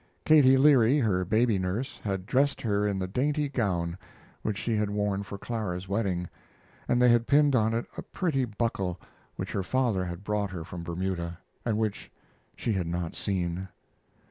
Katie Leary, her baby nurse, had dressed her in the dainty gown which she had worn for Clara's wedding, and they had pinned on it a pretty buckle which her father had brought her from Bermuda, and which she had not seen.